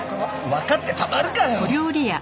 わかってたまるかよ！